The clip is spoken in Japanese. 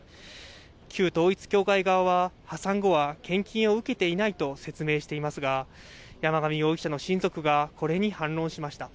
旧統一教会側は破産後は献金を受けていないと説明していますが、山上容疑者の親族が、これに反論しました。